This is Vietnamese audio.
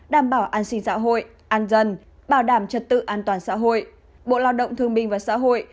đảm bảo an sinh xã hội an dân bảo đảm trật tự an toàn xã hội bộ lao động thương minh và xã hội